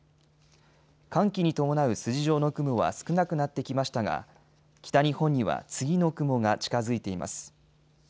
寒気に伴う筋状の雲は少なくなってきましたが北日本には次の雲が近づいています。